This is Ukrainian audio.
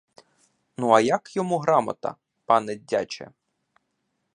Ну, а як йому грамота, пане дяче?